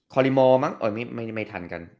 ลิมอร์มั้งไม่ทันกัน